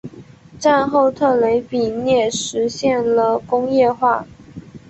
战后特雷比涅实现了工业化。